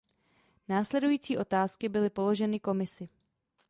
Následující otázky byly položeny Komisi.